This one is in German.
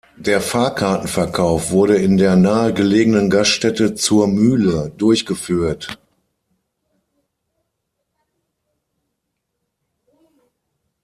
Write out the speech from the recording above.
Der Fahrkartenverkauf wurde in der nahegelegenen Gaststätte "Zur Mühle" durchgeführt.